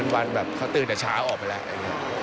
วันเขาตื่นแต่เช้าออกไปแล้ว